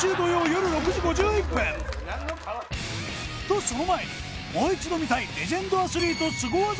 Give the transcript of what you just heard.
とその前にもう一度見たいレジェンドアスリートスゴ技